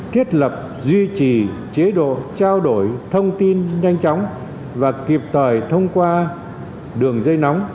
thiết lập duy trì chế độ trao đổi thông tin nhanh chóng và kịp thời thông qua đường dây nóng